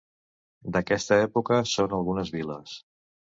D'aquesta època són algunes viles.